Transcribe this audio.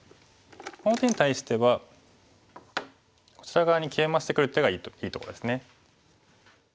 この手に対してはこちら側にケイマしてくる手がいいとこですね。